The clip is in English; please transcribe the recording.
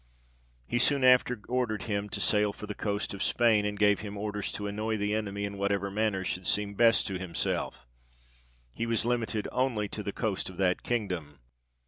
He soon after ordered him to sail for the coast of Spain, and gave him orders to annoy the enemy in whatever manner should seem best to himself; he was limited only to the coast of that kingdom.